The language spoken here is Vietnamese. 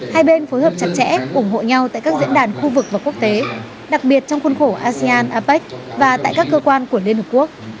hai bên phối hợp chặt chẽ ủng hộ nhau tại các diễn đàn khu vực và quốc tế đặc biệt trong khuôn khổ asean apec và tại các cơ quan của liên hợp quốc